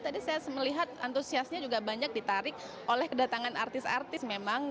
tadi saya melihat antusiasnya juga banyak ditarik oleh kedatangan artis artis memang